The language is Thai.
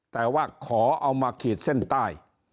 แต่ว่าขอเอามาขีดเส้นใต้